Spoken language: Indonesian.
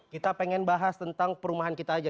kita pengen bahas tentang perumahan kita aja